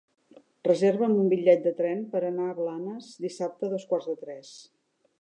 Reserva'm un bitllet de tren per anar a Blanes dissabte a dos quarts de tres.